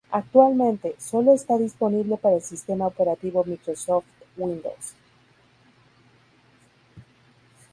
Actualmente, sólo está disponible para el sistema operativo Microsoft Windows.